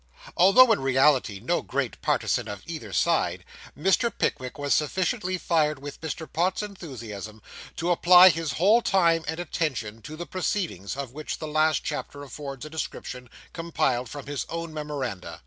Although in reality no great partisan of either side, Mr. Pickwick was sufficiently fired with Mr. Pott's enthusiasm, to apply his whole time and attention to the proceedings, of which the last chapter affords a description compiled from his own memoranda.